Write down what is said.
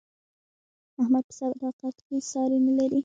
احمد په صداقت کې ساری نه لري.